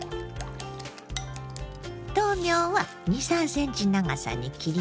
豆苗は２３ｃｍ長さに切ります。